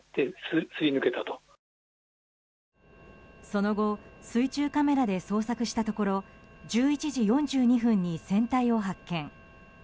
その後、水中カメラで捜索したところ１１時４２分に船体を発見。